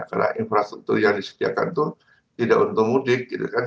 karena infrastruktur yang disediakan itu tidak untuk mudik gitu kan